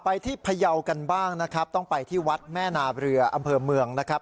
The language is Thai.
ที่พยาวกันบ้างนะครับต้องไปที่วัดแม่นาเรืออำเภอเมืองนะครับ